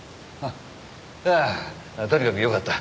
ああとにかくよかった。